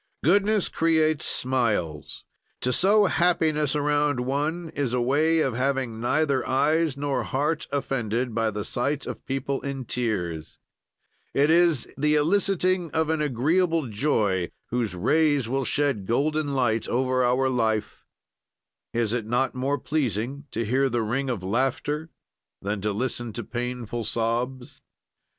"Goodness creates smiles; to sow happiness around one, is a way of having neither eyes nor heart offended by the sight of people in tears; it is the eliciting of an agreeable joy, whose rays will shed a golden light over our life; is it not more pleasing to hear the ring of laughter than to listen to painful sobs?"